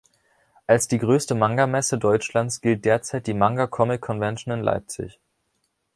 Als die größte Manga-Messe Deutschlands gilt derzeit die Manga-Comic-Convention in Leipzig.